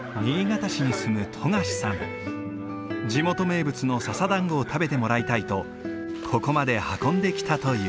地元名物の笹団子を食べてもらいたいとここまで運んできたという。